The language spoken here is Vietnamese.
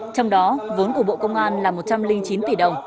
trong đó vốn của bộ công an là một trăm linh chín tỷ đồng